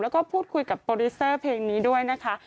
แล้วก็พูดคุยกับโปรดิวเซอร์เพลงนี้ด้วยนะคะ